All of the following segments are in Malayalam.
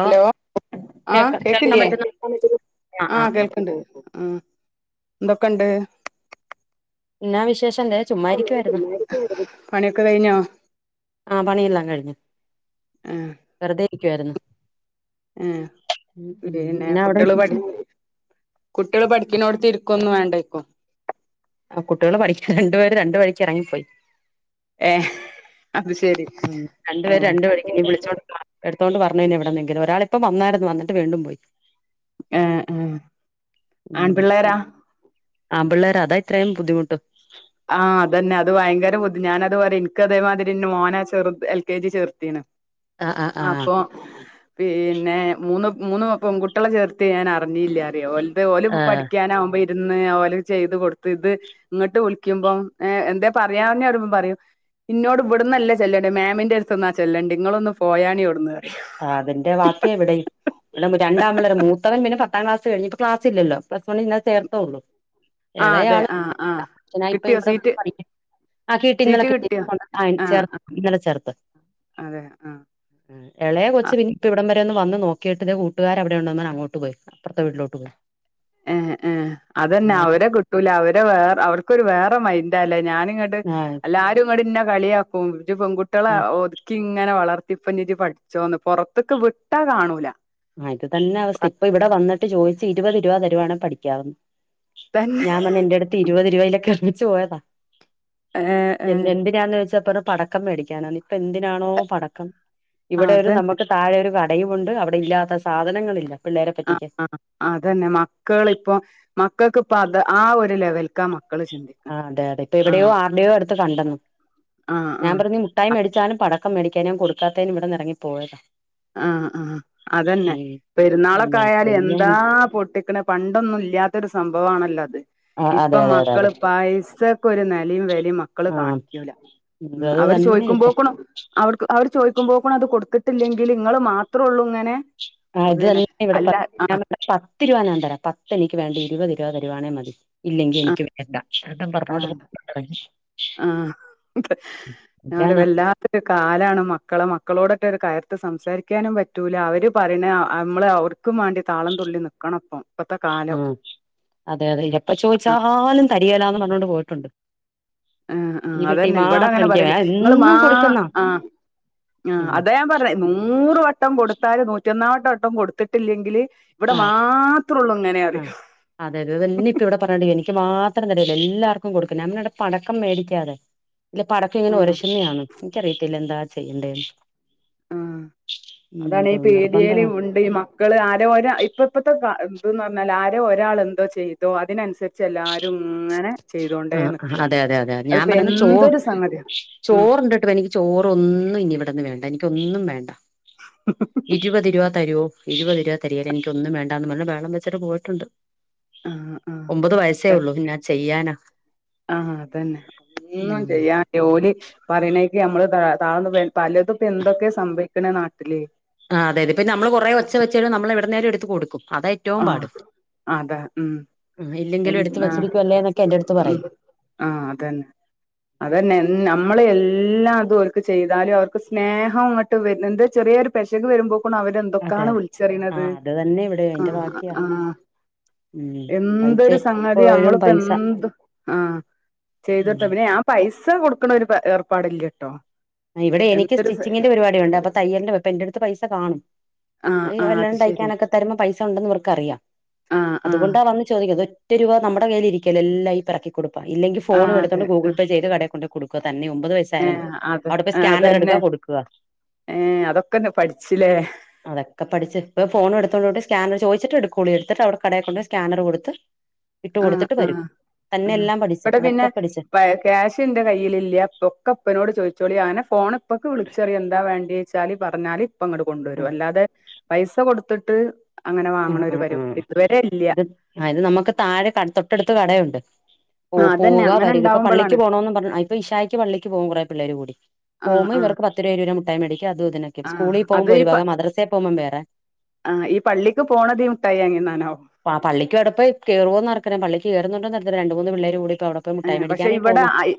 ഹലോ ആഹ്‌ കേക്ക കേൾക്കാൻ കേൾക്കില്ലേ പറ്റുന്ന ആഹ് ആഹ് ആഹ്‌ ആഹ് കേൾക്കണ്ട് ആഹ് എന്തൊക്കെണ്ട് എന്നാ വിശേഷണ്ട് പണിയൊക്കെ കഴിഞ്ഞോ ആഹ്‌ പണിയില്ലാം കഴിഞ്ഞു ആഹ് വെറുതെ ഇരിക്കുവായിരുന്നു ആഹ്‌ ഉം ഉം പിന്നെ എന്നാ അവിടെ കുട്ടികള് പഠ വിശേഷം കുട്ടികൾ പഠിക്കുന്നോട് ത്ത് ഇരിക്കൊന്നും വേണ്ടേ ഇപ്പോ ആഹ്‌ കുട്ടികള് പഠിക്ക രണ്ടുപേര് രണ്ടു വഴിക്ക് ഇറങ്ങിപ്പോയി ഏഹ്‌ അത് ശരി ഉം രണ്ട് പേരെ ഏഹ് രണ്ടുവയിക് ഇനി വിളിച്ചോ എടുത്തോണ്ട് വരണം ഇവിടന്നെങ്കിലും ഒരാൾ ഇപ്പം വന്നായിരുന്നുന്ന്എന്നിട്ട് വീണ്ടും പോയി ഏഹ് ഏഹ് ഉം ആൺപിള്ളേരാ ആമ്പിള്ളേർ അതാ ഇത്രയും ബുദ്ധിമുട്ട് ആഹ് അതെ അതു ഭയങ്കരബുദ്ധി ഞാനത് പറ എനിക്ക അതേമാതിരി മോന ചെറുത് എൽ കെ ജി ചേർുത്തിയ്ണ് ആഹ് ആഹ് ആഹ് അപ്പൊ പിന്നെ മൂന്ന് മൂന്ന് പെൺ കുട്ടികളെ ചേർത്ത് ഞാൻ അറിഞ്ഞില്ല അറിയോ ഓല ആഹ് പഠിക്കാനാാവുമ്പോ ഇരുന്ന് ഓല് ചെയ്ത് കൊടുത്ത് ഇത് ഇങ്ങോട്ട് നിക്കുമ്പോം എന്താ പറയാെന്നെ വരുമ്പോം പറയൂ ഇന്നോട് ഇവിടന്ന്ന്നല്ല ചെല്ലണ്ട് മാമിന്റെ എടതിന് ആ ചെല്ലണ്ടിയത് നിങ്ങളൊന്ന് പോയാനി വിടുന്ന് ആ ഹ്‌ അതിന്റെ വാക്കി ഇവിടി ഇവി രണ്ടമളരെ മൂത്തവൻ പിന്നെ പത്താം ക്ലാസ് കഴിഞ്ഞപ്പപ്പോ ക്ലാസ് ഇല്ലോ പ്ലസ് വണ്ണിൽ ഇന്നേ ചേർത്തൊള്ളൂ ആ അതെ ഇളയാള് ആ ആ ഇപ്പ കിട്ടിയോ ഇവിടെ സീറ്റ് പഠിക്ക ആഹ്‌ കിട്ടി ഇന്നലെ സീറ്റ് കൊണ്ട് കിട്ടിയോ ആ കാണിച്ചാരുന്നു ചേർത്ത് ഇന്നലെ ചേർത്ത് അതെ ആഹ്‌ ഇളയെ കൊച്ച് പിന്ന ഇപ്പ ഇവിടം വരെ ഒന്ന് വന്ന് നോക്കിട്ട് തെ കൂട്ടുകാർ അവിടെ പറഞ്ഞു ഉണ്ടന്നന്ന് അങ്ങോട്ട് പോയി അപ്പറത്തെ വീട്ടിലോട്ട് പോയി ഏഹ് ഏഹ് അതന്നെ അവരെ കിട്ടൂല അവരെ വേറെ അവർക്കൊരു വേറെ മൈൻറ അല്ലേ ഞാനിങ്ങട്ട് ആഹ് എല്ലാരും ഇങ്ങടെ ഇന്നെ കളിയാക്കുംഇഞ്ജ് പെൺകുട്ടികള ആഹ് നോക്കി ഇങ്ങനെ വളർത്തിപ്പഞ് ഇജ്ജ് പഠിച്ചോന്ന് പുറത്തൊക്കെ വിട്ടാ കാണൂല ആഹ്‌ ഇത് തന്നെ അവസ്ഥ ഇപ്പൊ ഇവിടെ വന്നിട്ട് ചോദിച്ച് ഇരുപത് രൂപ തരുവാന്നെ പഠിക്കാന്ന് തന്നെ ഞാൻ പറഞ്ഞ എൻറ അടുത്ത് ഇരുപത് ഇരുപലൊക്കെർമ്മിച്ചു പോയതാ ഏഹ് എന്തിനാന്ന് ചോച്ചപ്പോ പടക്കം മേടിക്കാനോ ഇപ്പ എന്തിനാണോ പടക്കം ഇവിടെ ഒരു അതന്നെ നമുക്ക് താഴെ ഒരു കടയുംണ്ട് അവിടെ ഇല്ലാത്ത ആ സാധനങ്ങളില്ല പിള്ളേരെ ആ പറ്റിക്കാൻ ആ അതന്നെ മക്കൾ ഇപ്പൊ മക്കൾക്കിപ്പ അത് ആ ഒരു ലെവൽക്കാ ആ മക്കൾ ചിന്തിക്കു ആ അതെ അതെ ഇപ്പ ഇവിടെയോ ആരുടെയോ അടുത്ത് കണ്ടന്നു ആഹ് ഞാൻ ആഹ് പറഞ്ഞു മുട്ടായി മേടിച്ചാലും പടം മേടിക്കാനും കൊടുക്കാത്തേനും ഇവടന്ന് എറങ്ങിപ്പോവല്ലേ ആഹ ആ അതന്നെ പെരുന്നാളൊക്കെ എന്താ ആയാല ചെയ്യാൻ എന്താ പൊട്ടിക്കണ പണ്ടൊന്നും ഇല്ലാത്തൊരു സംഭവാണല്ലോ അത് ആ അതെ ഇപ്പൊ അതെ അതെ അതെ മക്കള് പൈസക്കൊരു നെലിം വെലിം മക്കള് ആ കാണിക്കൂല ഇത് ഉം അത് അവര് തന്നെ ഇപ്പം ചോയ്ക്കുമ്പോക്കണും അവര്ക്ക് അവർ ചോദിക്കുമ്പോക്കിന് അത് കൊടുത്തിട്ടില്ലെങ്കിൽ ഇങ്ങൾ മാത്രോള്ളൂ ഇങ്ങനെ ആ പിന്നെ അതേന്നെ ഇവിടെ അല്ല പറ പത്ത് രൂപ ഞാ തരാം പത്ത് എനിക്ക് വേണ്ട ഇരുപത് രൂപ തരുവാണേ മതി ഇല്ലെങ്കിൽ എനിക്ക് വേണ്ട ഏട്ടൻ പറഞ്ഞോണ്ട് ആഹഞാൻ പോയി പറയാ ഒരു ഞാനാ വല്ലാ ഒരു കാലാണ് മക്കളെ മക്കളോടൊക്കെ ഒന്ന് കയർത്ത് സംസാരിക്കാനും പറ്റൂല അവര് പറയണ നമ്മള് ക്കും വാണ്ടി താളം തുള്ളി നിക്കണപ്പം ആ അതെ അതെ ഇതപ്പ ചോദിച്ചാലും തരിയെലാന്ന് പറഞ്ഞോണ്ട് പോയിട്ടുണ്ട് ആ ഈ ആ വീട്ടിൽ അതന്നെ ഇവിടെ മാത്രം അങ്ങനെ എനിക്ക് പറയലേ വേ- നിങ്ങള് മാ എന്നും കൊടുക്കുന്നാ ആ ആ് ഉം അതാ ഞാ പർഞ്ഞേ നൂറ് വട്ടം കൊടുത്താല് നൂറ്റൊന്നാം വട്ടം വട്ടം കൊടുത്തിട്ടില്ലെങ്കില് ഇവിടെ ആ മാത്ര ത്രള്ളൂങ്ങനെ ആ പറയും അതെ അതന്നെ ഇപ്പ ഇവിടെ പറഞ്ഞു എനിക്ക് മാത്രം തരില്ല എല്ലർക്കും കൊടുക്ക ഞമ്മടെ പടക്കം മേടിക്കാതേ ഇല്ല പടക്കം ഇങ്ങനെ ഉം ഒരശുന്നാണ് എനിക്കറിയത്തില്ല എന്താ ചെയ്യണ്ടേന്ന് ആ ഉം അതാണേ ഇത് പീടിയെൽ നിർബന്ധം ഉണ്ട് മക്ക ക്കൾ ആരോ ഒരാൾ ആ ഇപ്പ ഇപ്പത്തെ ത്ന്ന് പറഞ്ഞാൽ ആരെ ഒരാൾ എന്തോ ചെയ്തോ അതിനനുസരി ച്ചെല്ലാരും ഇങ്ങനെ ചെയ്തോണ്ടേ ആ നിക്ക അതെ അതെ അതെ ഞാൻ അതിപ്പോ പറിന്ന ചോ എന്തൊരു സംഗതിയാ ആഹ് ചോറുണ്ടിട്ടും എനിക്ക് ചോറൊന്നും ഇനി ഇവിട്ന്ന് വേണ്ട എനിക്കൊന്നും വേണ്ട ഉ ഇരുപത് രൂപ തരുവോ ഇരുപത് രൂപ തരിയെല്ല എനിക്കൊന്ന വേണ്ടാന്ന് പറഞ്ഞ ബഹളം വെച്ചിട്ട് പോയിട്ടുണ്ട് ആഹ് ഒമ്പത് വയസേ ഉള്ളു ഞാൻ ചെയ്യാനാ ആഹ അതന്നെ ഒന്നും ഉം ചെയ്യാൻ- ജോലി പറയണേക്ക് നമ്മള് ത താഴ്ന്ന് പലതും ഇപ്പോ എന്തൊക്കെ സംഭവിക്കണ നാട്ടില് ആ അത അതെ പ്പ നമ്മൾ കൊറെ ഒച്ച വെച്ചാലും നമ്മള് ഇവിട നേരം എടുത്ത്‌ കൊടുക്കും അത ഏറ്റോം ആഹ് പാട് അതാ ഉം ഇല്ലെങ്കിലും എടുത്ത് എന്ന് വച്ചിരിക്കുവല്ലേ എന്നൊക്കെ എന്റെടുത്ത് പറയും ആഹ അതന്നെ അതന്നെ നമ്മൾ എല്ലാം അതും ഓർക്ക് ചെയ്താലും അവർക്ക് സ്നേഹം ങ്ങട്ട് [unintelligible] ചെറിയ ഒരു പെശക വരുമ്പോ ക്കും അവരെന്തൊക്കാണ് വിളിച്ചറിണത് അതന്നെ ഇവിടെ അയിന്റെ ബാക്കിയാ ആ ആഹ് ഉം പൈസ എന്തൊരു സംഗതി എപ്പോഴും നമ്മളിപ്പോ പൈസ എന്ത് ആഹ് ഉം ചെയ്തൊടുത്ത പിന്നെ ഞാ പൈസ കൊടുക്കണ ഒരു ഏർപ്പാടുല്ലട്ടോ ഇവിടെ എനിക്ക് സ്റ്റിച്ചിങ്ങിന്റെ പരിപാടിണ്ട് അപ്പൊ തയ്യിൽന്റെപ്പൊ ന്റെ അടുത്ത് പൈസ കാണും ആഹ് ആഹ് വല്ലാ അത് ശെരി തയ്ക്കാനൊക്കെ തരുമ്പോ പൈസ ഉണ്ടെന്ന് ഇവർക്കറിയാം ആഹ് ആഹ് അതുകൊണ്ടാ വന്ന് ചോദിക്കത് ഇതോറ്റൊരു രൂപ നമ്മുടെ കയ്യിൽ ഇരിക്കല്ലോ എല്ലാം ഈ പെറക്കി കൊടുപ്പാ ഇല്ലെങ്കിൽ ഫോൺ ആഹ് എടുത്തൊണ്ട് അതെ ഗൂഗിൾ പേ ചെയ്ത് കടെ കൊടുക്ക തന്നെ ഒമ്പത് വൈ ഏഹ് അത് അതന്നെ ഏഹ് അതൊക്കെ പഠിച്ചില്ലേ അതൊക്കെ പഠിച്ച് ഇപ്പ ഫോണെടുത്തോണ്ട് സ്കാനർ ചൊദിച്ട്ടേടുകൊള്ളു എടുത്തിട്ട് അവിടെ കടെക്കൊണ്ട് സ്കാനർ കൊടുത്ത് [inaudible] ഇട്ട് കൊടുത്തിട്ട് ആഹ് വരും തന്നെ ആഹ് എല്ലാം പഠിച്ചു ഇവിടെ പിന്നെ അതൊക്കെ പഠിച്ച ക്യാഷ് ഇന്റെ കയ്യിലില്ല ഇപ്പൊക്കെപ്പനോട് ചോയിച്ചോളീ ഞനെ ഫോണ് ഇപ്പക്ക് വിളിച്ചറിയ എന്താ വേണ്ടത് ച്ചാല് പറഞ്ഞാല് അപ്പോഅങ്ങട്ട് കൊണ്ടുവരും ഉം അല്ലാതെ പൈസ കൊടുത്തിട്ട് അങ്ങനെ വാങ്ങ്ണ ഒരു പരിപാടി ഇതുവരെ ഇല്ല അതിന്‌ നമുക്ക് താഴെ തൊട്ടടുത്ത് കടയുണ്ട് ആഹ് അതന്നെ പോപോവുക അങ്ങനെ വരിക ഇപ്പൊ പള്ളിക്ക് ഇണ്ടാവുമ്പളാണ് പോണോന്ന് പറഞ്ഞ്ഇപ്പ ഇഷായിക്ക് പള്ളിക്ക് പോകും കുറെേ പിള്ളേർ കൂടി ആഹ് പോക്മ്പോ ആഹ് ഇവർക്ക് പത്ത്‌ രൂപ മുട്ടായി മേടിക്ക അതുഇതിനക്കെ ആഹ് സ്കുളിൽ പോകുമ്പോ ഒരു വക മദ്രസയിൽ പോകുമ്പോ വേറെ ആ ഈ പള്ളിക്ക് പോണതീ മുട്ടായി വാങ്ങി തിന്നാനാവു ആ പള്ളിക്ക് അവടെപോയികേറോന്ന് ആർക്കറിയാം പള്ളിക്ക് കെറുന്നുണ്ടന്ന് രണ്ട് മൂന്ന് പിള്ളേര കൂടി ഇപ്പോ അവിടെ പോയി ആ മുട്ടായി പക്ഷെ മേടിക്കാനായി ഇവിടെ പോവുന്നു അയ്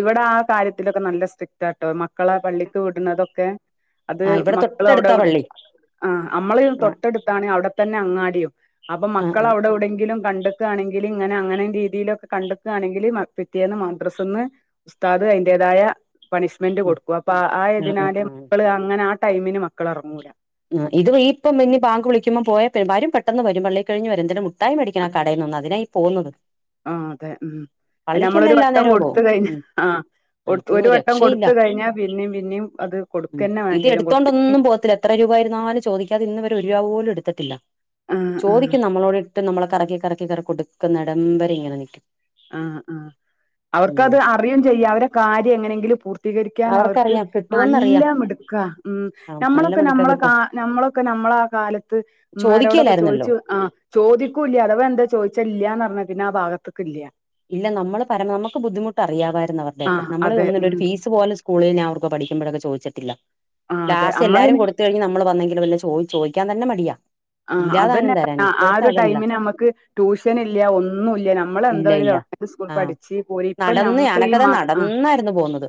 ഇവിടെ ആ കാര്യത്തിലൊക്കെ നല്ല സ്ട്രിക്റ്റ് ആട്ടോ മക്കളെ പള്ളിക്ക് വിടുന്നതൊക്കെ അത് ആ ഇവിടെ മക്കൾ അവിടെ തൊട്ടടുത്താ അവിടെ പള്ളി ആ അമ്മള് ആ തൊട്ടടുത്താണ് അവിടെത്തന്നെ അങ്ങാടിയും അപ്പൊ ആ മക്കൾ ആ അവിടെ എവിടെങ്കിലും കണ്ട്കയാണെങ്കിൽ ഇങ്ങനെ അങ്ങനെ രീതിയിലൊക്കെ കണ്ട് ആ താണെങ്കിൽ പിറ്റെന്ന് മദ്രറസ്ന്ന്ഉസ്താദ് അതിന്റേതായ പണിഷ് ഷ്മെന്റ് ഉം കൊടുക്കും അപ്പൊ ആ ആ ആയതിനാല് ആ മക്കള് അങ്ങനെ ആ ടൈമിന് മക്കൾ ഇറങ്ങൂ ലാ ഉം ഇത് ഇപ്പം ഇനി ബാങ്ക് വിളിക്കുമ്പോ പോയാൽ പിന്നെ പെട്ടെന്ന് വരും പള്ളി കഴിഞ്ഞ് വരും എന്തങ്കിലും മിഠായി മോടിക്കണം ആ കടയിൽ നിന്ന് അതിനായി പോന്നത് ആഹ് അതെ ഉം നമ്മളൊരു എല്ലാ വട്ടം നേരവും കൊടുത്ത പോവും കഴിഞ്ഞ ഉം ആ ഇത് കൊടുത്തുഒരു വട്ടം രക്ഷയില്ല കൊടുത് കഴിഞ്ഞാൽ പിന്നെ പിന്നെയും അത് ഉം കൊടുക്ക ന്നെ വേണ്ടി ഇത് വരും എടുത്തോണ്ടൊന്നും കൊടുത്ട്ടില്ലങ്കി പോകത്തില്ല എത്ര രൂപ ആയിരുന്നാലും ചോദിക്കാതെഇന്ന് വരെ ഒരു രൂപ പോലും എടുത്തിട്ടില്ല ആഹ് ആഹ് ചോദിക്കും നമ്മളോട് എട ഇട്ട്നമ്മൾ കറക്കി കറക്കി കറി കൊടുക്കുന്ന ഇടം വരെ ഇങ്ങനെ നിൽക്കും ആഹ് ആഹ് അവർക്കത് അറിയും ചെയ്യാം അവരെ കാര്യം എങ്ങനെങ്കിലും പൂർത്തീകരിക്കാൻ അവർക്ക് അവർക്കറിയാം നല്ലമിടുക്ക ഉം ആം നല്ല മിടുക്ക കിട് ക നമ്മളൊക്കെ നമ്മള ആ കാലത്ത് ഇമ്മരോടൊക്കെ ചോദിക്കേലായിരുന്നല്ലോ ചോദിച്ചു ആഹ് ചോദിക്കൂല്ല അഥവാ എന്താ ചോദിച്ചാ ഇല്ലന്ന് പറഞ്ഞ പിന്നെ ആ ഭാഗത്ക്ക് ഇല്ല ഇല്ല നമ്മള് പര നമുക്ക് ബുദ്ധിമുട്ട് അറിയാമായിന്നരുന്നു അവരുടെ ആ ഒക്കെ നമ്മള് അതെ ഒന്നുമില്ല ഉം ഒരു ഫീസ് പോലു സ്കൂളിൽ ഞ അവർക്കക്ക് സ്കൂളിൽ നാം അവർക്ക്പഠിക്കുമ്പോഴൊക്കെ ചോദിച്ചിട്ടില്ല ആ അതെ ലാസ്റ്റ്എല്ലാരും നമ്മളയിന് കൊടുത്ത കഴിഞ് നമ്മൾ വന്നെങ്കിലുംല്ലാം ചോദി ചോദിക്കാൻ തന്നെ മടിയാ ആഹ് അത്‌ ഇല്ലാതാനും തനെ തരാൻ ആ ഇപ്പോഴത്തെ ഒരു അതല്ല ടൈമിന് നമുക്ക് ട്യൂഷൻ ഇല്ല ഒന്നുംല്ല നമ്മള് എന്താ ഇല്ല ഒരു ഇല്ല ഗവൺ മെന്റ് സ്കൂൾ ആ പഠിച്ച് പോര് ഇപ്പ നടന്ന് നമ്മള് ഈ ഞാനൊക്കതാ മ ആ നടന്നായിരുന്നു പോന്നത്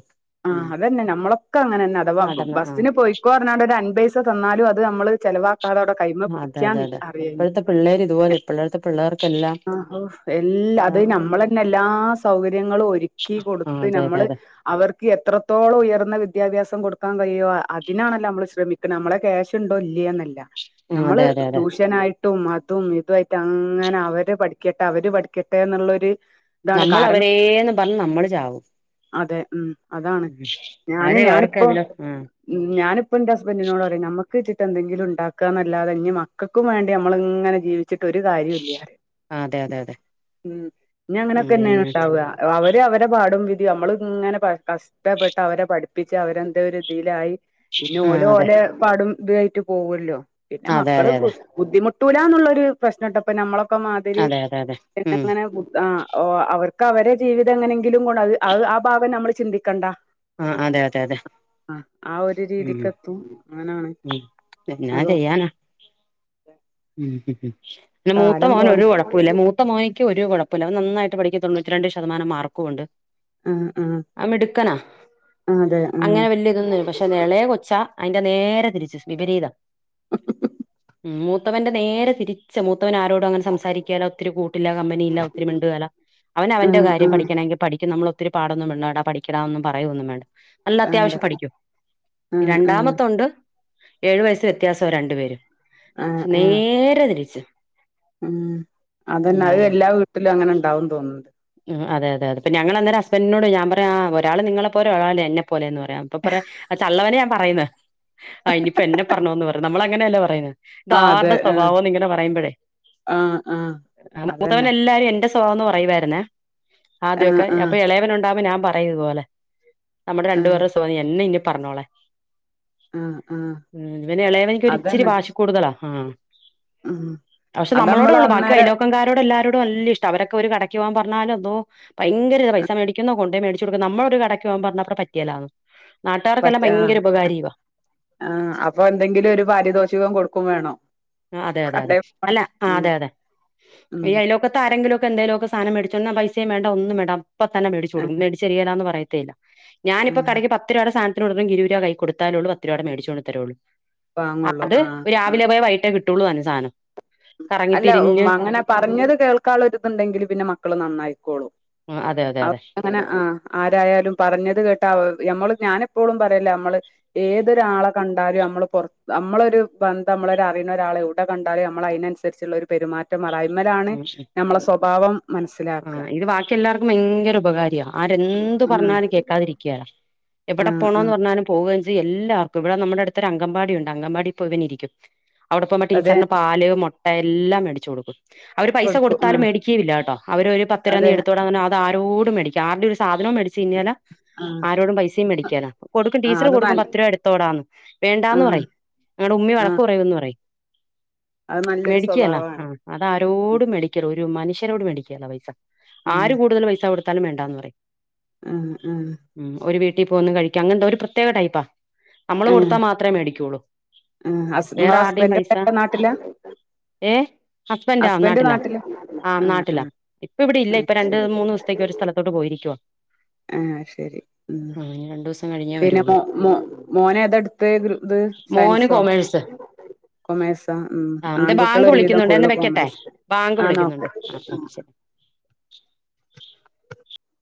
ഉം ആഹ് അതന്നെ നമ്മളൊക്കെ അങ്ങനെന്നെ ആ ബസ്സിന് പോയിക്കോ പറഞ്ഞാഒരു അൻമ്പത്പൈസ തന്നാലും അത് നമ്മള് ചെലവാക്ക കതോടെ കൈമ ആഹ് പിടി അതെ ഇക്ക്യ അതെ അതെ അറിയായിരുന്നുആ ഇപ്പോഴത്തെ പിള്ളേര് ഇതുപോലെ ഇപ്പോഴത്തെ പിള്ളേർക്കെല്ലാം ഔഎല്ല അത് എല്ലാരും നമ്മളെ പിന്ന എല്ലാ സൗകര്യങ്ങളും ഒരുക്കി ആഹ് കൊടുത്ത് അതെ അതെ നമ്മള് അതെ അവർക്ക് എത്രത്തോളം ഉയർന്ന വിദ്യാഭ്യാസം കൊടുക്കാൻ കഴിയുമോ അതിനാണല്ലോനമ്മള് ശ്രമി ഇപ്പോനമ്മളെ ക്യാശ് ഉണ്ടോ ഇല്ലന്ന് എല്ല ഉം അതെ അതെ അതെ ട്യൂഷനായിട്ടും അതും ഇതായിട്ട് അങ്ങനെ അവര് പഠിക്കട്ടെ അവര് പഠിക്കട്ടെ എന്നുള്ളൊരു ഇതാണ് നമ്മൾ കാരണം അവരെന്ന് പറഞ്ഞ് നമ്മള് ചാവും അതെ ഉം അതാണ് ഉം ഞാന് അവരെ അവർക്ക് ഞാനിപ്പോ അതിലോ ആഹ് ഞാനിപ്പോഎന്റെ ഹസ്ബന്റിനോട് പറയും നമ്മുക്ക് ച്ചിട്ട്എന്തെങ്കിലും ഉണ്ടാക്കാന്നല്ലതെ ഇഞ്മക മക്കുംവേണ്ടി നമ്മള് ഇങ്ങനെ ജീവി ജിവിച്ചിട്ട്‌ ഒരു കാര്യ ഇല്ലറിം അതെ അതെ അതെ ഉം ഇഞ്ഞ് ഉം അങ്ങനൊതന്നെ പിന്നെ ഉണ്ടാവ അവര് അവരെ പാടും വിധി നമ്മൾ ഇങ്ങനെ പഴക്കാ കഷ്ടപ്പെട്ട്അവരെ പഠിപ്പിച്ച് അവരെന്ത ഒരു ഇതിയിലായി പിന്നെ ആഹ് അതെ ഓല്ഓല പാടും ഇതായിട്ട് പോവുല്ലോ പിന്നെ മക അതെ അതെ അതെ ബുദ്ധിമുട്ടൂലാഎന്നുള്ളൊരു പ്രശ്നം ഇട്ടപോ നമ്മളെ ഒക്കെമാതിരി അതെ അതെ അതെ [unintelligible] ഉം അങ്ങനെ അവർക്ക് അവര്ക് അവരെജീവിതം എങ്ങനെങ്കിലും ഗുണം അത് ആ ഭാഗം നമ്മൾ ചിന്തിക്കേണ്ട ആഹ് അതെ അതെ അതെ ആ ആ ഒരു രീതിക്ക ഉം എത്തും അങ്ങനാണ് അതു മ്മ് മൂത്ത കാലം മോന് പോവാൻ ഒരു കൊഴപ്പം പ്പ്ല മൂത്ത മോനിക്ക് ഒരു കുഴപ്പമില്ല അവൻ നന്നായിട്ട് പഠിക്കുതൊണ്ണൂറ്റി രണ്ട് ശതമാനം മാർക്കുണ്ട് ആഹ് ആഹ് അവൻ മിടുക്കനാ ആഹ് അതെ ആഹ് അങ്ങനെ വലിയ ഇതൊന്നല്ല പക്ഷെ എളയ കൊച്ചാ അതിന്റെ നേരെ തിരിച്ചവിപരീത മൂത്തവന്റെ നേരെ തിരിച്ച മൂത്തവൻ ആരോടും അങ്ങനെ സംസാരിക്കേല ഒത്തിരി കൂട്ടില്ല കമ്പനിയില്ല ഒത്തിരി മിണ്ടുവേല അവന് അവന്റെ ആഹ് കാര്യം ആഹ് പഠിക്കണമെങ്കിൽ പഠിക്കും നമ്മൾ ഒത്തിരി പാടൊന്നും പിണ്ടേടാ പഠിക്കടാ ഒന്നും പറയൊന്നും വേണ്ട നല്ല അത്യാവശ്യം വേണ്ട പഠിക്കും ഇ ആഹ് ആഹ് രണ്ടാമത്ത ഉണ്ട് ഏഴു വയസ് വ്യത്യാസം ആ രണ്ടു പേരും ആഹ് പക്ഷെ ആഹ് നേരെ തിരിച്ചു ഉം അതന്നെ അത് എല്ലാ വീട്ടിലും അങ്ങനെ ഉണ്ടാവന്ന് തോന്നണ്ട് ഉം അതെഅതെ അതെ പ്പം ഞങ്ങൾ അന്നേരം ഹസ്ബൻറിനോട് ഞാൻ പറയാ ആ ഒരാള് നിങ്ങളെ പോലെ ഒരാൾ എന്നെ പോ പോലെന്നു പറയാം അപ്പൊ പറയു ലെ ആ തള്ളവരയാ പറയുന്നേ ആ ഇനിയിപ്പം എന്നെ പറഞ്ഞോ ന്ന് പറയും നമ്മളായി അങ്ങനെയല്ലേ പറയുന്നേ ഇത് ആഹ് അതെ ആരുടെ സ്വഭാവന്ന് ഇങ്ങനെ പറയുമ്പോഴേ ആഹ് ആഹ് മൂത്തവൻ അതന്നെ എല്ലാരും എന്റെ സ്വ സൊന്ന് പറയുവായിരുന്നേ ആഹ് ആദ്യമൊക്കെ ആഹ് അപ്പൊ ഇളയവനു ഉണ്ടാവുമ്പോ ഞാൻ പറയിതുപോലെ നമ്മുടെ ആഹ് രണ്ടുപേരുടെ സുഗം എന്നെ ഇനി പറഞ്ഞോളെ ആഹ് ആഹ് ഉം ഇവന് ഇളയവനിക്ക് ഒരു ഇച്ചിരി അതന്നെ വാശി കൂടുതലാ ആഹ് ഉം പക്ഷെ അത് നമ്മളോട് നമ്മള് ഉള്ളൂ ബാക്കി അന്നേരം അയൽവക്കം കാരോട് എല്ലാരോടും വല്യ ഇഷ്ടം ആ അവരൊക്കെ ഒരു കടക്ക് പോകാൻ പറഞ്ഞ പറഞ്ഞാലും അള്ളോഹ് ഭയങ്കര പൈസ മേടിക്കുന്നു കൊണ്ടോയി മേടിച്ചു കൊടുക്കുന്നു നമ്മളൊരു കടക്ക് പോകൻ പറഞ്ഞപ്പ പറ്റിയല്ലാന്ന് പറ്റ നാട്ടുകാർക്കെല്ലാം ഭയങ്കര ആഹ് ഉപകാരിയുമാ ആഹ് അപ്പൊ എന്തെങ്കിലും ഒരു പാരിതോഷികം കൊടുക്കും വേണോ അതെ അതെ അതെ അല്ല ആ അതെ അതെ ഉം ഈ അയൽവക്കത്തെ ആരെങ്കിലുമൊക്കെ എന്തേലൊക്കെ സ സാനംമേടിച്ചോണ്ട് വന്ന പൈസയും വേണ്ട ഒന്നും വേണ്ട അപ്പ തന്നെ മേടിച്ചു ആഹ് കൊടുക്കും മേടിച്ചെരിലാന്ന് പറയത്തെയില്ല. ഞാനിപ്പോ ആഹ് കടേക്ക് പത്ത് രൂപയുടെ സാനത്തിന് കൊടുത്തെങ്കി ഇരുപ രൂപ കയ്യി കൊടുത്താലേള്ളൂ പത്ത് രൂപയുടെ മേടിച്ചുകൊണ്ട് തരുള്ളൂ. വാങ്ങുള്ളൂ അപ്ത് ആഹ് അത് രാവിലെ പോയി വൈകിട്ടേ കിട്ടുള്ളു താനും സാനം. അല്ല മങ്ങനെ പറഞ്ഞത് കേൾക്കള്ളൊരുതുണ്ടെങ്കില് പിന്നെ മക്കള് നന്നായിക്കോളൂ ഉം അതെ അതെ അതെ അങ്ങനെ ആ ആരായാലും പറഞ്ഞത് കേട്ടാ നമ്മള് ഞാൻ എപ്പോഴും പറയല്ലേ നമ്മള് ഏതൊരാളെ കണ്ടാലും നമ്മള് പുറത്തു നമ്മളൊരു ബന്ധം നമ്മളൊരു അറിയുന്ന ഒരാളെ എവിടെ കണ്ടാലും നമ്മ നമ്മള അയിനനുസരിച്ചുള്ള ഒരു പെരുമാറ്റം അയ്മലാണ് നമ്മളെ സ്വഭാവം മനസ്സിലാക്ക ആഹ് ഇത് ബാക്കി എല്ലാവർക്കും ഭയങ്കര ഉപകാരിയ ആരെന്തു ആ പറഞ്ഞാലും കേക്കാതിരിക്കേല. ആ എവിടെ ആ പോണോന്ന് പറഞ്ഞാലും പോകുകയും ചെയ്യും എല്ലാർക്കും ഇവിടെ നമ്മുടെ അടുത്ത ഒരു അങ്കമ്പാടി ഉണ്ട് അങ്കമ്പാടി പോ ഇവന് ഇരിക്കും അവിടെ പോകുമ്പോ അതെ ടീച്ചറിന് പാല് മുട്ട എല്ലാം മേടിച്ചു കൊടുക്കും അവര് പൈസ കൊടുക്കും ആ കൊടുത്താലും മേടിക്കുകയും ഇല്ല കേട്ടോ അവര് ഒരു പത്തു രൂപ നീ അതെ എടുത്തോട പറഞ്ഞ അതാരോടും മേടിക്ക ആരുടെ ഒരു സാധനം മേടിച്ച് തിന്നെല. ആ ആരോടും പൈസയും മേടിക്കേല കൊടുക്കും ആ ടീച്ചർ അത് കൊടുക്കും നല്ല പത്ത് രൂപ എടുത്തോടാന്ന് ആ വേണ്ടാന്ന് പറയും ഞങ്ങടെ ഉമ്മി ആ വഴക്ക് പറയുന്ന് പറയും. അത് നല്ലൊരു മേടിക്കേല സ്വഭാവമാണ് ഉം അതാരോടും മേടിക്കേല ഒരു മനുഷ്യരോട് മേടിക്കല പൈസ ഉം ആര് കൂടുതൽ പൈസ കൊടുത്താലും വേണ്ടാന്ന് പറയും ഉം ഉം ഉം ഒരു വീട്ടിൽ പോന്ന് കഴിക്ക അങ്ങെനന്താ ഒരു പ്രത്യേക ടൈപ്പാ നമ്മള് ആ കൊടുത്താ മാത്രമേ മേടിക്കുള്ളൂ ആ ഹസ് വേറെ നിങ്ങളെ ആരുടെയും ഹസ്ബൻഡ് പൈസ നാട്ടിലാ ഏ ഹസ്ബൻൻ്റോ നാട്ടിലാ ആ നാട്ടിലാ ഇപ്പ ഇവിടെ ഇല്ല ആ ഇപ്പൊ രണ്ട് ശരി മൂന്ന് ദിവസത്തേക്ക് ഒരു സ്ഥലത്തോട്ട് പോയിരിക്കുവ ആഹ് ശരി ഉം ദിവസം കഴിഞ്ഞേ പിന്നെ വരുള്ളൂ മോ മോ മോനെതാ എടു ട്ത്ത് ത് മോന് സയൻസോ കൊമേഴ്സ് കൊമേഴ്സ ഉം ആ എന്റെ ആൺകുട്ടികള് ബാങ്ക് ഒരു വിധം വിളിക്കുന്നുണ്ട് എന്നെ ഫുളള് വെക്കട്ടെ കൊമേഴ്സ ബാങ്ക് ആഎന്ന ഓക്കേ. വിളിക്കുന്നുണ്ട് ആ [inaudible]